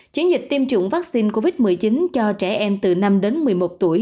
chiến dịch tiêm chủng vaccine covid một mươi chín cho trẻ em từ năm đến một mươi một tuổi